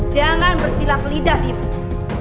jangan bersilat lidah dimas